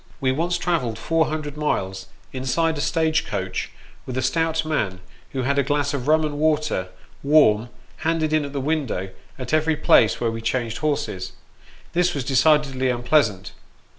We once travelled four hundred miles, inside a stage coach, with a stout man, who had a glass of rum and water, warm, handed in at the window at every place where we changed horses. This was decidedly unpleasant.